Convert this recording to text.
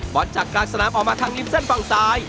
จากกลางสนามออกมาทางริมเส้นฝั่งซ้าย